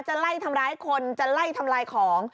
จะไล่ทำร้ายคนจะไล่ทำลายของ